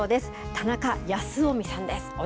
田中泰臣さんです。